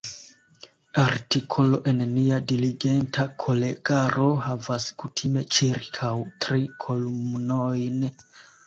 Artikolo en Nia diligenta kolegaro havas kutime ĉirkaŭ tri kolumnojn.